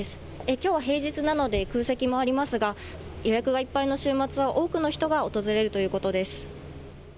きょうは平日なので空席もありますが予約がいっぱいの週末は多くの人が訪れるということです。